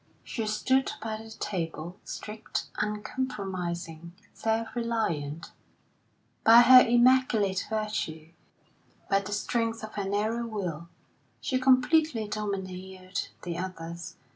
She stood by the table, straight, uncompromising, self reliant; by her immaculate virtue, by the strength of her narrow will, she completely domineered the others.